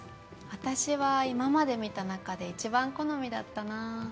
私は今まで見た中でいちばん好みだったな。